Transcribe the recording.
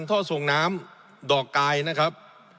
ท่อส่งน้ำดอกกายนะครับ